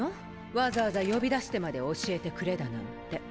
わざわざ呼び出してまで教えてくれだなんて。